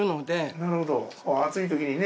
なるほど暑いときにね